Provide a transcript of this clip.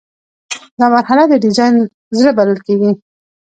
دا مرحله د ډیزاین زړه بلل کیږي.